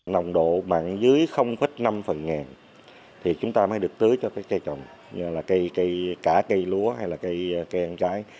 nồng độ mặn dưới năm phần ngàn thì chúng ta mới được tưới cho các cây trồng cả cây lúa hay cây ăn trái